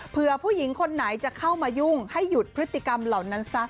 เพื่อผู้หญิงคนไหนจะเข้ามายุ่งให้หยุดพฤติกรรมเหล่านั้นซะ